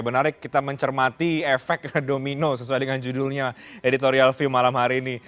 benar ya kita mencermati efek domino sesuai dengan judulnya editorial v malam hari ini